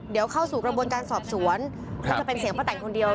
เดี๋ยวเข้าสู่กระบวนการสอบสวนก็จะเป็นเสียงป้าแต่นคนเดียว